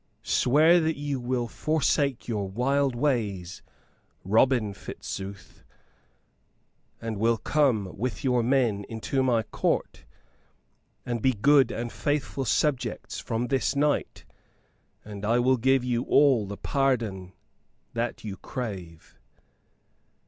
"Swear that you will forsake your wild ways, Robin Fitzooth, and will come with your men into my Court, and be good and faithful subjects from this night, and I will give you all the pardon that you crave."